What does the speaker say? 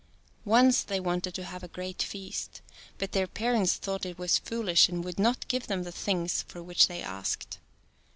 Once they wanted to have a great feast. But their parents thought it was foolish and would not give them the things for which they asked.